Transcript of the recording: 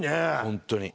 本当に。